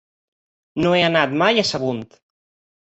No he anat mai a Sagunt.